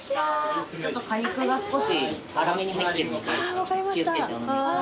ちょっと果肉が少し粗めに入ってるので気を付けてお飲みください。